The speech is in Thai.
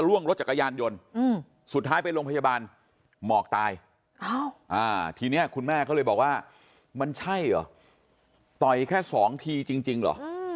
ล่วงรถจักรยานยนต์สุดท้ายไปโรงพยาบาลหมอกตายทีนี้คุณแม่ก็เลยบอกว่ามันใช่เหรอต่อยแค่สองทีจริงเหรอ